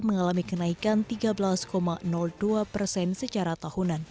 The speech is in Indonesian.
mengalami kenaikan tiga belas dua persen secara tahunan